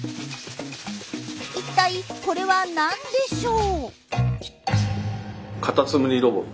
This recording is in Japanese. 一体これは何でしょう？